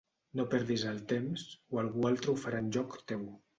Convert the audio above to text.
No perdis el temps, o algú altre ho farà enlloc teu.